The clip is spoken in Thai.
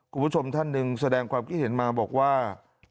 คุณผู้ชมท่านหนึ่งแสดงความคิดเห็นมาบอกว่า